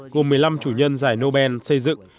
gồm một mươi năm chủ nhân giải nobel xây dựng